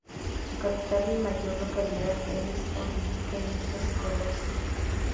Su capital y mayor localidad es Ølstykke-Stenløse.